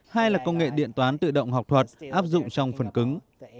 hai là công nghệ điện toán tự động học thuật áp dụng trong phần cứng